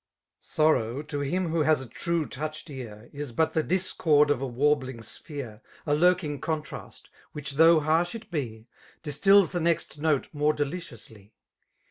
Sorrow, to him wha has a true touched ear. Is but the discord of a warbling sphere, A lurking conjtaraat, wUcb though haifih it be> Distills the next note more deliciouaky.